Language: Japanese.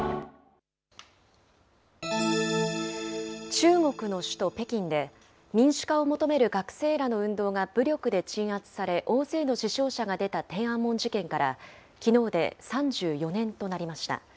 中国の首都北京で、民主化を求める学生らの運動が武力で鎮圧され、大勢の死傷者が出た天安門事件からきのうで３４年となりました。